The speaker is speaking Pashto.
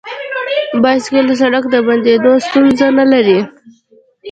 بایسکل د سړک د بندیدو ستونزه نه لري.